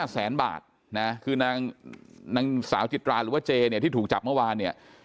แสนบาทนะคือนางสาวจิตราหรือว่าเจเนี่ยที่ถูกจับเมื่อวานเนี่ย